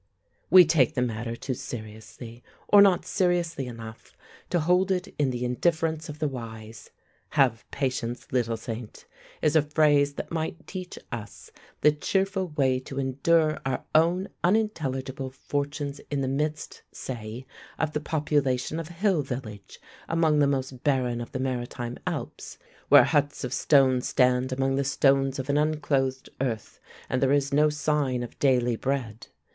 We take the matter too seriously, or not seriously enough, to hold it in the indifference of the wise. "Have patience, little saint," is a phrase that might teach us the cheerful way to endure our own unintelligible fortunes in the midst, say, of the population of a hill village among the most barren of the Maritime Alps, where huts of stone stand among the stones of an unclothed earth, and there is no sign of daily bread.